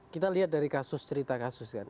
kita lihat dari kasus cerita kasus kan